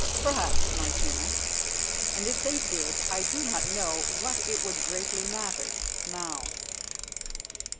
"Perhaps, Martina; and if they did I do not know that it would greatly matter now."